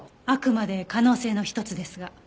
あくまで可能性の一つですが。